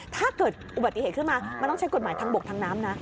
ถ้าเกิดอุบัติเหตุขึ้นมามันต้องใช้กฎหมายทางบกทางน้ำนะ